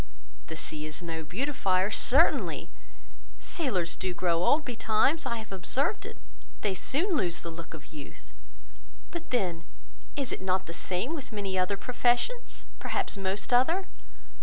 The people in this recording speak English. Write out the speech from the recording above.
The sea is no beautifier, certainly; sailors do grow old betimes; I have observed it; they soon lose the look of youth. But then, is not it the same with many other professions, perhaps most other?